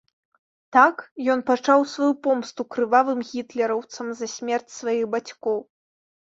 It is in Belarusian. Так ён пачаў сваю помсту крывавым гітлераўцам за смерць сваіх бацькоў.